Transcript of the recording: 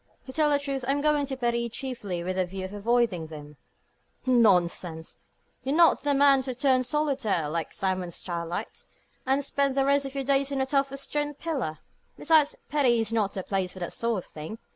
To tell the truth, I'm going to Paris chiefly with a view of avoiding them." "Nonsense! You're not the man to turn solitaire, like Simon Stylites, and spend the rest of your days on the top of a stone pillar! Besides, Paris is not the place for that sort of thing.